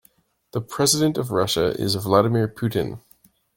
The president of Russia is Vladimir Putin.